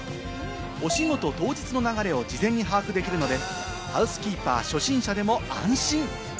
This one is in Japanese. お仕事当日の流れを事前に把握できるので、ハウスキーパー初心者でも安心。